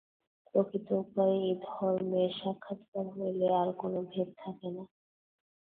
প্রকৃত উপায়ে এই ধর্মের সাক্ষাৎকার হইলে আর কোন ভেদ থাকে না।